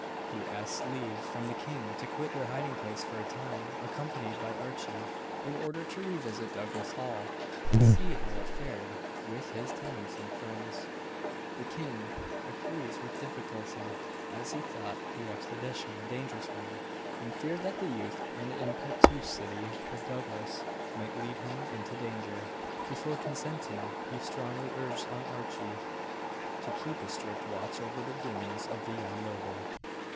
He asked leave from the king to quit their hiding place for a time, accompanied by Archie, in order to revisit Douglas Hall, and see how it fared with his tenants and friends. The king acquiesced with difficulty, as he thought the expedition a dangerous one, and feared that the youth and impetuosity of Douglas might lead him into danger; before consenting he strongly urged on Archie to keep a strict watch over the doings of the young noble.